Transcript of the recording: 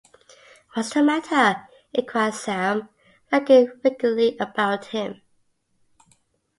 ‘What’s the matter?’ inquired Sam, looking vacantly about him.